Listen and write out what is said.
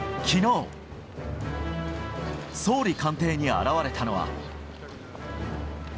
昨日総理官邸に現れたのは。